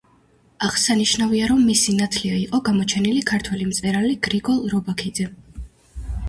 აღსანიშნავია, რომ მისი ნათლია იყო გამოჩენილი ქართველი მწერალი გრიგოლ რობაქიძე.